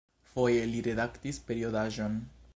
Foje li redaktis periodaĵon.